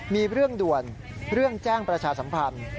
มีเรื่องด่วนเรื่องแจ้งประชาสัมพันธ์